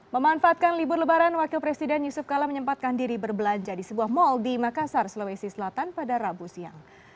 memanfaatkan libur lebaran wakil presiden yusuf kala menyempatkan diri berbelanja di sebuah mal di makassar sulawesi selatan pada rabu siang